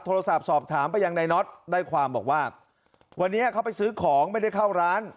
โทรศัพท์สอบถามไปยังนายน็อตได้ความบอกว่าวันนี้เขาไปซื้อของไม่ได้เข้าร้าน